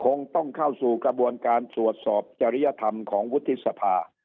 คงต้องเข้าสู่กระบวนการตรวจสอบจริยธรรมของวุฒิสภา